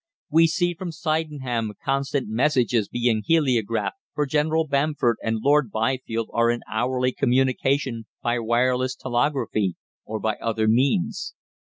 We see from Sydenham constant messages being heliographed, for General Bamford and Lord Byfield are in hourly communication by wireless telegraphy or by other means.